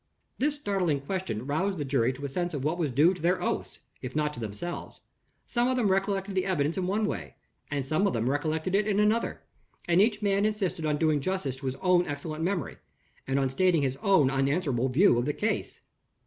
This startling question roused the jury to a sense of what was due to their oaths, if not to themselves. Some of them recollected the evidence in one way, and some of them recollected it in another; and each man insisted on doing justice to his own excellent memory, and on stating his own unanswerable view of the case.